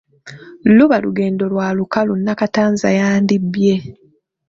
Luba lugendo lwa lukalu Nakatanza yandibbye!